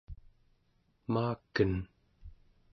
maaken